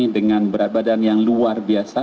dengan berat badan yang luar biasa